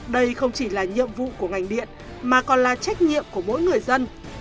đây không chỉ là nhiệm vụ của ngành điện mà còn là trách nhiệm của mỗi người dân